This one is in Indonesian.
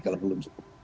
kalau belum cukup